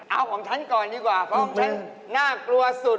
เอาของฉันก่อนดีกว่าเพราะฉันน่ากลัวสุด